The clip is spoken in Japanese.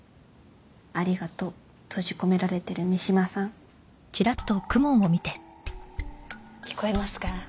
ありがとう閉じ込められてる三島さん聞こえますか？